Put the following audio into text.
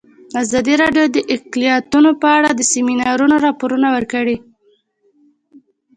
ازادي راډیو د اقلیتونه په اړه د سیمینارونو راپورونه ورکړي.